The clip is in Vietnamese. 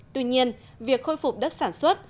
tuy nhiên việc khôi phục đất sản xuất